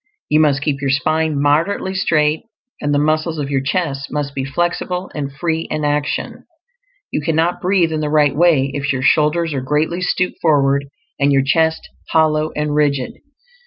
You must keep your spine moderately straight, and the muscles of your chest must be flexible and free in action. You cannot breathe in the right way if your shoulders are greatly stooped forward and your chest hollow and rigid.